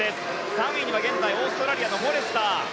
３位には現在オーストラリアのフォレスター。